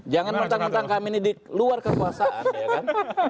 jangan mentang mentang kami ini di luar kekuasaan ya kan